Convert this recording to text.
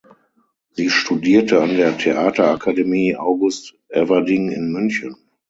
Sie studierte an der Theaterakademie August Everding in München.